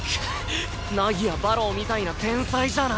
凪や馬狼みたいな天才じゃない。